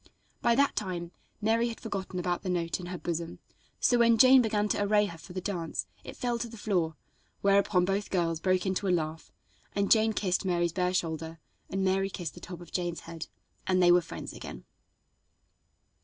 By that time Mary had forgotten about the note in her bosom; so when Jane began to array her for the dance, it fell to the floor, whereupon both girls broke into a laugh, and Jane kissed Mary's bare shoulder, and Mary kissed the top of Jane's head, and they were friends again.